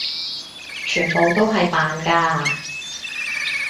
全部都係扮㗎！